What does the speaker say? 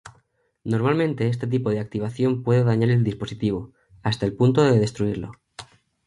Normalmente este tipo de activación puede dañar el dispositivo, hasta el punto de destruirlo.